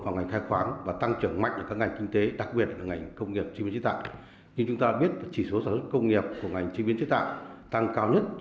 ngành công nghiệp chế biến chế tạo đạt một mươi